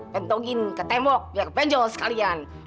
bentokin ke tembok biar penjolos kalian